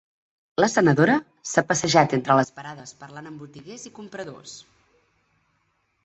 La senadora s’ha passejat entre les parades parlant amb botiguers i compradors.